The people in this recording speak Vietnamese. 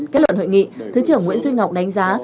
kết luận hội nghị thứ trưởng nguyễn duy ngọc đánh giá